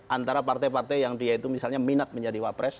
antara partai partai yang dia itu misalnya minat menjadi wapres